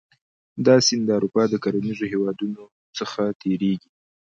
دا سیند د اروپا د کرنیزو هېوادونو څخه تیریږي.